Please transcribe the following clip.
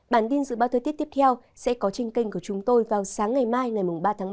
bản tin dự báo thời tiết tiếp theo sẽ có trên kênh của chúng tôi vào sáng ngày mai ngày ba tháng ba